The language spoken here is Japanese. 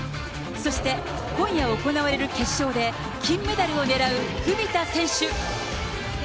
そして、今夜行われる決勝で、金メダルを狙う文田選手。